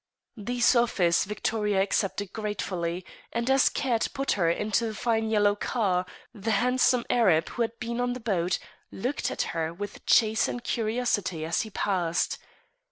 These offers Victoria accepted gratefully; and as Caird put her into the fine yellow car, the handsome Arab who had been on the boat looked at her with chastened curiosity as he passed.